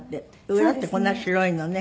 裏ってこんなに白いのね。